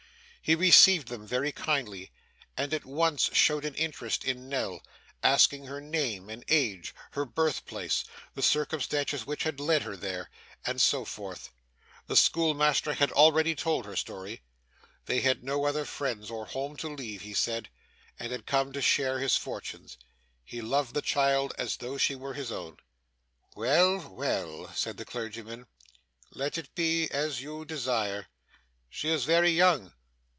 He received them very kindly, and at once showed an interest in Nell; asking her name, and age, her birthplace, the circumstances which had led her there, and so forth. The schoolmaster had already told her story. They had no other friends or home to leave, he said, and had come to share his fortunes. He loved the child as though she were his own. 'Well, well,' said the clergyman. 'Let it be as you desire. She is very young.